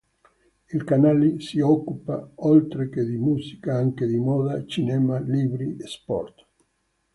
Il canale si occupa, oltre che di musica, anche di moda, cinema, libri, sport.